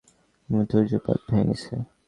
আমার ধৈর্য্যের বাঁধ ভেঙে গেছে।